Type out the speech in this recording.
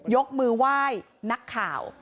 ยกมือไหว้นักข่าว